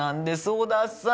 織田さん。